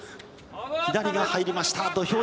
左が入りました土俵際。